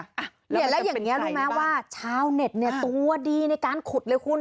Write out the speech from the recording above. ถ้าอย่างนี้รู้ไหมว่าเช่าเน็ตตัวดีในการขุดเลยคุณ